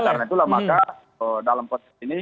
itulah maka dalam potensi ini